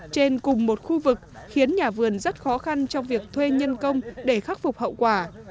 trên cùng một khu vực khiến nhà vườn rất khó khăn trong việc thuê nhân công để khắc phục hậu quả